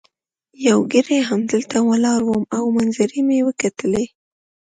یو ګړی همدلته ولاړ وم او منظرې مي کتلې.